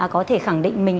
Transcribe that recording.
có thể khẳng định mình